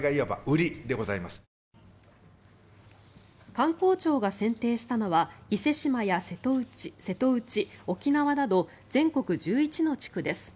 観光庁が選定したのは伊勢志摩や瀬戸内、沖縄など全国１１の地区です。